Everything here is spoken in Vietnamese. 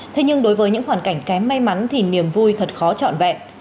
thế nhưng đối với những hoàn cảnh kém may mắn thì niềm vui thật khó trọn vẹn